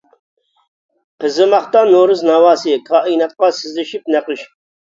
قىزىماقتا نورۇز ناۋاسى، كائىناتقا سىزىشىپ نەقىش.